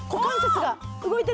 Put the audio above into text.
動いてる。